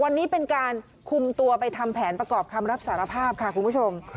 วันนี้เป็นการคุมตัวไปทำแผนประกอบคำรับสารภาพค่ะคุณผู้ชม